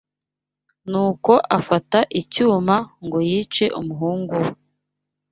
Nuko afata icyuma ngo yice umuhungu we